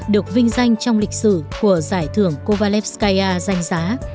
được vinh danh trong lịch sử của giải thưởng kovalevskaya danh giá